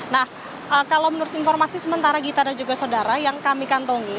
nah kalau menurut informasi sementara gita dan juga saudara yang kami kantongi